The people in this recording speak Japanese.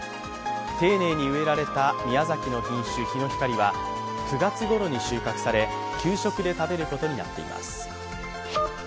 丁寧に植えられた宮崎の品種ヒノヒカリは９月ごろに収穫され給食で食べられることになっています。